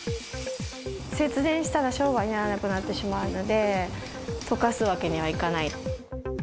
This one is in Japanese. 節電したら商売にならなくなってしまうので、とかすわけにはいかない。